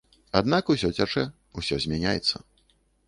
Аднак усё цячэ, усё змяняецца.